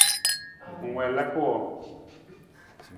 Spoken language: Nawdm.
Ng wii ng laka wang ?